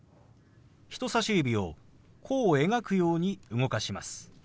人さし指を弧を描くように動かします。